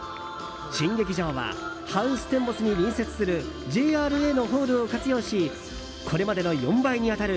新劇場はハウステンボスに隣接するＪＲＡのホールを活用しこれまでの４倍に当たる